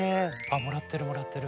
もらってるもらってる。